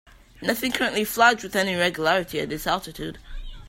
Nothing currently flies with any regularity at this altitude.